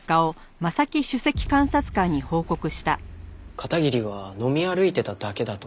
片桐は飲み歩いてただけだと？